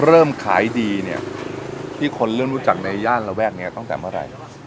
เริ่มขายดีเนี่ยที่คนเริ่มรู้จักในย่านระแวกนี้ตั้งแต่เมื่อไหร่